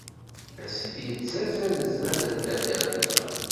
Asif yettazzal sdat taddart-nneɣ.